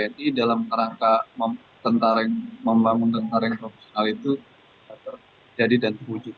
jadi dalam rangka membangun tentara yang profesional itu terjadi dan terwujud